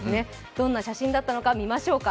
どんな写真だったのか見ましょうか。